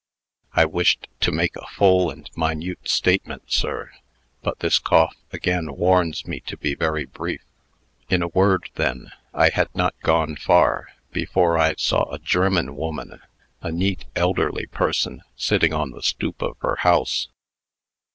"I wished to make a full and minute statement, sir; but this cough again warns me to be very brief. In a word, then, I had not gone far, before I saw a German woman a neat, elderly person sitting on the stoop of her house.